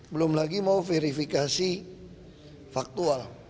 belum lagi mau verifikasi faktual